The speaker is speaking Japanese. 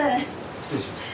失礼します。